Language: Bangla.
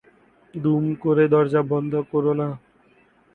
দুম করে দরজাটা বন্ধ কোরো না।